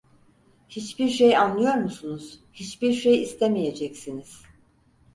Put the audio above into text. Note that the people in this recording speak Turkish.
Hiçbir şey anlıyor musunuz, hiçbir şey istemeyeceksiniz…